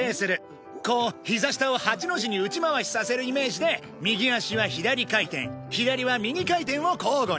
こうひざ下を八の字に内回しさせるイメージで右足は左回転左は右回転を交互に。